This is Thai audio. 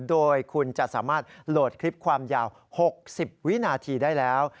โดยคุณจะสามารถโหลดคลิปความยาว๖๐วินาทีได้แล้ว